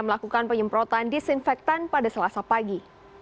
melakukan penyemprotan disinfektan pada selasa pagi